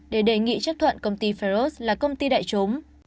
để đề nghị chấp thuận công ty faros là công ty đại chúng